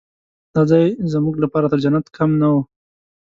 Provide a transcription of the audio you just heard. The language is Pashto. دا ځای زموږ لپاره تر جنت کم نه و.